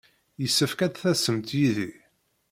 Yessefk ad d-tasemt yid-i.